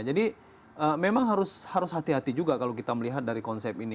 jadi memang harus hati hati juga kalau kita melihat dari konsep ini